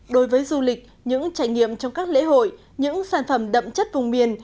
đối với du lịch những trải nghiệm trong các lễ hội những sản phẩm đậm chất vùng miền